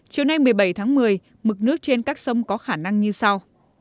chiều nay một mươi bảy tháng một mươi mực nước trên các sông có khả năng như sau